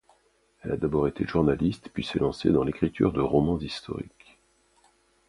Elle a d'abord été journaliste, puis s'est lancée dans l'écriture de romans historiques.